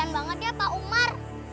bangat ya pak umar